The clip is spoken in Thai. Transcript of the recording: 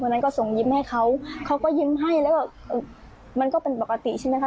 นั้นก็ส่งยิ้มให้เขาเขาก็ยิ้มให้แล้วก็มันก็เป็นปกติใช่ไหมคะ